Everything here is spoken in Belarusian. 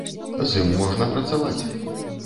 З ім можна працаваць.